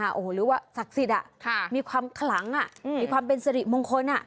โอ้โหหรือว่าศักดิ์สิทธิ์มีความขลังมีความเป็นสิริมงคล